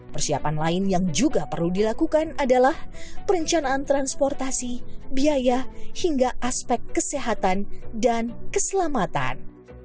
persiapan lain yang juga perlu dilakukan adalah perencanaan transportasi biaya hingga aspek kesehatan dan keselamatan